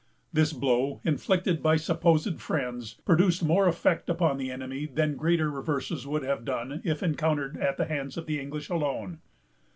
This blow, inflicted by supposed friends, produced more effect upon the enemy than greater reverses would have done, if encountered at the hands of the English alone.